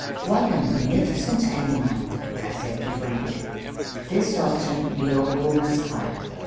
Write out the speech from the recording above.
"What a magnificent animal!" I said to Frank. This softened the old woman's heart.